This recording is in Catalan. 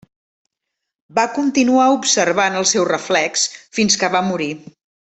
Va continuar observant el seu reflex fins que va morir.